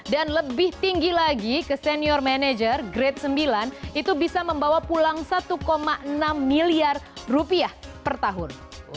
dan lebih tinggi lagi ke senior manager grade sembilan itu bisa membawa pulang satu enam miliar rupiah per tahun